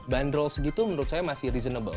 bandrol segitu menurut saya masih reasonable